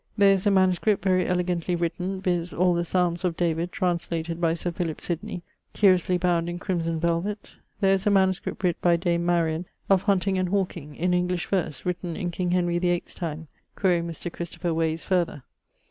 There is a manuscript very elegantly written, viz. all the Psalmes of David translated by Sir Philip Sydney, curiously bound in crimson velvet. There is a MS. writt by Dame Marian of hunting and hawking, in English verse, written in King Henry the 8ᵗʰ'ˢ time (quaere Mr. Christopher Wase farther).